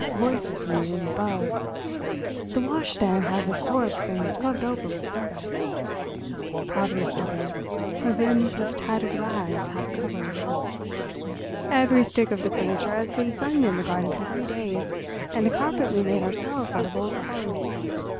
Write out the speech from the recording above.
Voices from the room above: "The washstand has, of course, been scrubbed over with soda." "... Poverty stricken, her limbs with tattered rags half covered...." "Every stick of the furniture has been sunning in the garden for three days. And the carpet we made ourselves out of old clothes.